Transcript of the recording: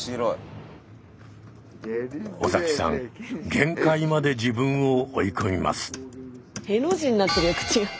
限界まで自分を追い込みます。